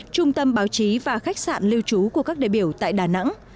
trung tâm báo chí và khách sạn lưu trú của các đại biểu tại đà nẵng